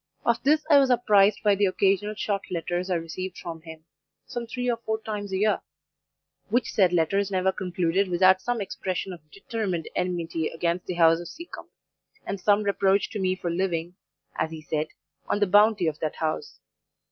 Of this I was apprised by the occasional short letters I received from him, some three or four times a year; which said letters never concluded without some expression of determined enmity against the house of Seacombe, and some reproach to me for living, as he said, on the bounty of that house.